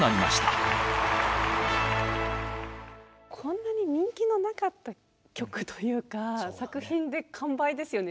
こんなに人気のなかった曲というか作品で完売ですよね。